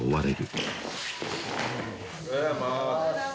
おはようございます